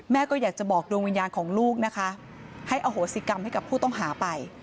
ก็อยากจะบอกดวงวิญญาณของลูกนะคะให้อโหสิกรรมให้กับผู้ต้องหาไป